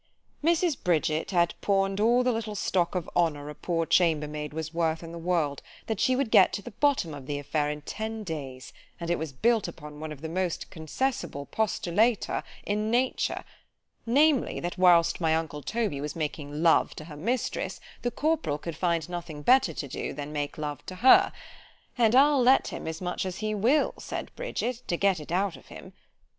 LXXXII MRS. Bridget had pawn'd all the little stock of honour a poor chamber maid was worth in the world, that she would get to the bottom of the affair in ten days; and it was built upon one of the most concessible postulata in nature: namely, that whilst my uncle Toby was making love to her mistress, the corporal could find nothing better to do, than make love to her——"And I'll let him as much as he will, said Bridget, to get it out of him."